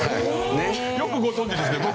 よくご存じですね。